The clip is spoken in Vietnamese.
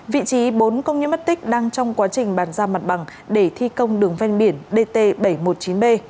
vị trí bốn công nhân mất tích đang trong quá trình bàn giao mặt bằng để thi công đường ven biển dt bảy trăm một mươi chín b